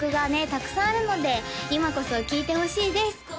たくさんあるので今こそ聴いてほしいです